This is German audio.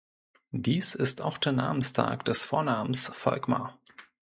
Dies ist auch der Namenstag des Vornamens Volkmar.